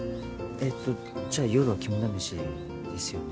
えっとじゃあ夜は肝試しですよね？